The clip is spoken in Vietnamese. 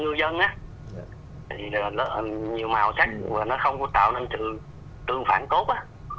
nhiều màu sắc và nó không có tạo nên sự tương phản tốt á